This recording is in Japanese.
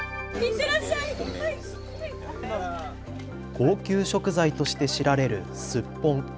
高級食材として知られるすっぽん。